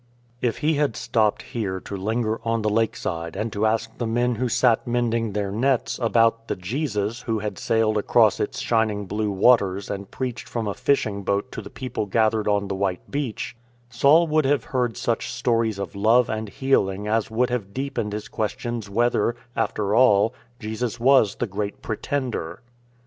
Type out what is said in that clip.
78 IN TRAINING If he had stopped here to linger on the lakeside and to ask the men who sat mending their nets about the Jesus Who had sailed across its shining blue waters and preached from a fishing boat to the people gathered on the white beach, Saul would have heard such stories of love and healing as would have deepened his questionings whether, after all, Jesus was the Great Pretender.